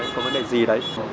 có vấn đề gì đấy